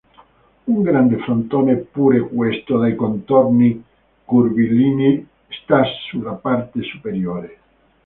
Un grande frontone pure questo dai contorni curvilinei sta sulla parte superiore.